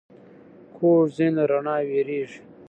کوږ ذهن له رڼا وېرېږي